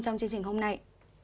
trong chương trình hôm nay